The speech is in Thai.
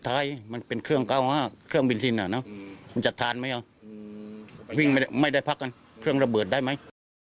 ที่นี้เครื่องมันเครื่องไม่ได้พักกันเครื่องระเบิดได้ไหม